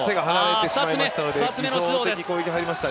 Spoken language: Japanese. ２つ目の指導です。